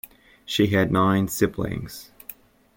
She had nine siblings.